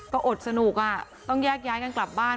ก็อดสนุกต้องแยกย้ายกันกลับบ้าน